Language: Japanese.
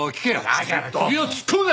だから首を突っ込むな！